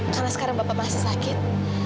karena sekarang bapak masih sakit